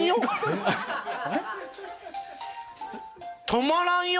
止まらんよ。